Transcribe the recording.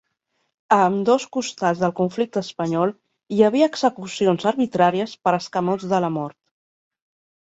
A ambdós costats del conflicte espanyol hi havia execucions arbitràries per escamots de la mort.